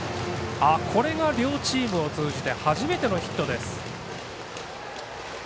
これが両チームを通じて初めてのヒットです。